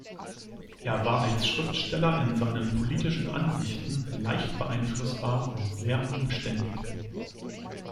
Er war als Schriftsteller in seinen politischen Ansichten leicht beeinflussbar und sehr unbeständig.